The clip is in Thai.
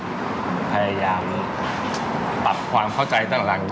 แล้วเราก็พยายามปรับความเข้าใจต่าง